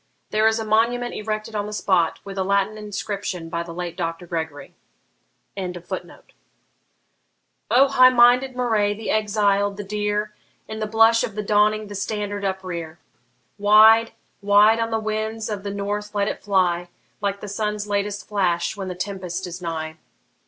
There is a monument erected on the spot, with a Latin inscription by the late Doctor Gregory.] O high minded Moray! the exiled! the dear! In the blush of the dawning the STANDARD uprear! Wide, wide on the winds of the north let it fly, Like the sun's latest flash when the tempest is nigh!